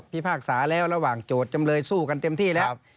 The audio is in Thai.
พิภาคสาระหว่างโจรจำเลยสู้เต็มที่แล้ว